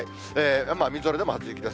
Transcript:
みぞれでも初雪です。